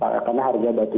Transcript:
karena harga batu